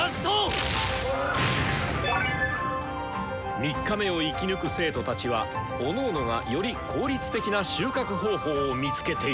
３日目を生き抜く生徒たちはおのおのがより効率的な収穫方法を見つけている。